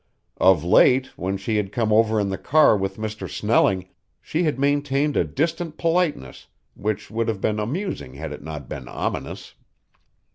Of late, when she had come over in the car with Mr. Snelling, she had maintained a distant politeness which would have been amusing had it not been ominous.